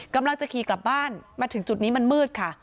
กำลังจะขี่กลับบ้านมาถึงจุดนี้มันมืดค่ะ